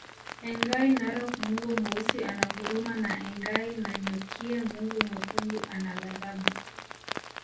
Engai Narok Mungu Mweusi ana huruma na Engai Nanyokie Mungu Mwekundu ana ghadhabu